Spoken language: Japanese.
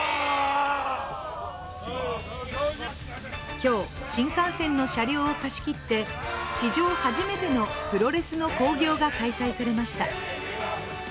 今日新幹線の車両を貸し切ってプロレス初めての興行が開催されました。